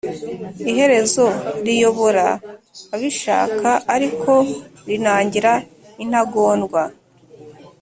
iherezo riyobora abishaka ariko rinangira intagondwa